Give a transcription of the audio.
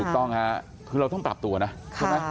ถูกต้องค่ะคือเราต้องปรับตัวนะใช่ไหม